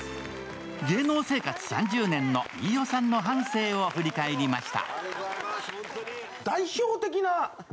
芸能生活３０年の飯尾さんの半生を振り返りました。